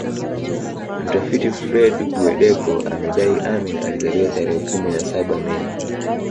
Mtafiti Fred Guweddeko amedai Amin alizaliwa tarehe kumi na saba Mei